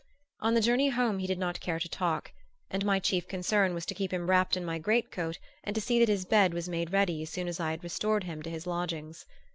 On the journey home he did not care to talk, and my chief concern was to keep him wrapped in my greatcoat and to see that his bed was made ready as soon as I had restored him to his lodgings.